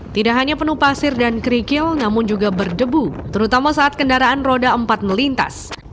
tidak hanya penuh pasir dan kerikil namun juga berdebu terutama saat kendaraan roda empat melintas